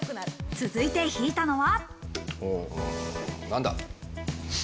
続いて引いたのは。